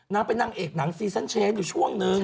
นางเป็นนางเอกหนังซีซั่นเชฟอยู่ช่วงนึง